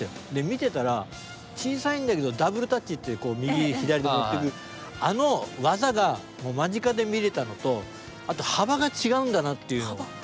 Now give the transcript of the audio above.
見てたら小さいんだけどダブルタッチって右左で持っていくあの技が間近で見れたのとあと幅が違うんだなっていうのを。